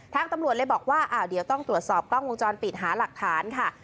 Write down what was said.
ตำรวจเลยบอกว่าเดี๋ยวต้องตรวจสอบกล้องวงจรปิดหาหลักฐานค่ะ